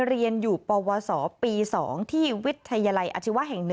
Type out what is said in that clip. เรียนอยู่ปวสปี๒ที่วิทยาลัยอาชีวะแห่ง๑